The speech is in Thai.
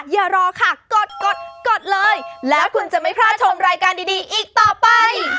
ย้าหู้